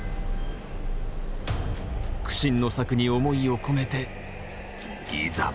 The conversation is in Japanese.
苦心の作に思いを込めていざ。